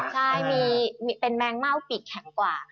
ใช่เป็นแมงเม่าปิดแข็งกว่า